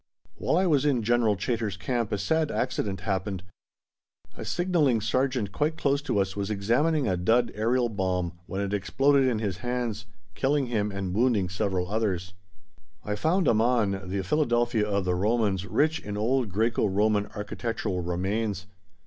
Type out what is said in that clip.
While I was in General Chaytor's camp a sad accident happened. A Signalling Sergeant quite close to us was examining a "dud" aerial bomb when it exploded in his hands, killing him and wounding several others. I found Amman (the Philadelphia of the Romans) rich in old Græco Roman architectural remains.